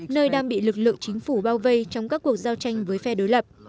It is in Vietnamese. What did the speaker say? nơi đang bị lực lượng chính phủ bao vây trong các cuộc giao tranh với phe đối lập